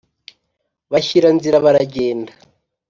bashyira nzira baragenda,